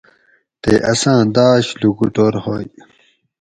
تے اساۤں داۤش لوکوٹور ہوئ